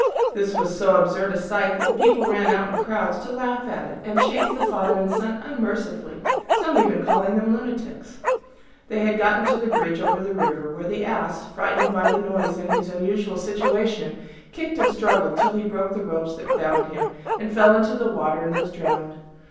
This was so absurd a sight that the people ran out in crowds to laugh at it, and chaffed the Father and Son unmercifully, some even calling them lunatics. They had then got to a bridge over the river, where the Ass, frightened by the noise and his unusual situation, kicked and struggled till he broke the ropes that bound him, and fell into the water and was drowned.